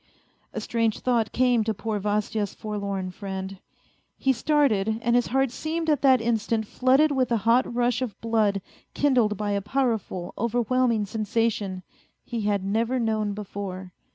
A strange thought came to poor Vasya's forlorn friend. He started, and his heart seemed at that instant flooded with a hot rush of blood kindled by a powerful, overwhelming sensation he had never known before.